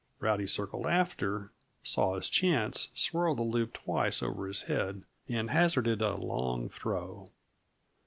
Rowdy circled after, saw his chance, swirled the loop twice over his head, and hazarded a long throw.